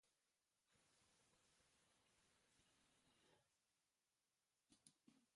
Altsasuko saioa bigarren finalaurrekoa da.